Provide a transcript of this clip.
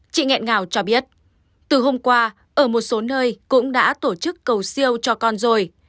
chị nghẹn ngào cho biết từ hôm qua ở một số nơi cũng đã tổ chức cầu siêu cho con rồi